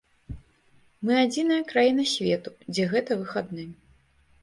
Мы адзіная краіна свету, дзе гэта выхадны.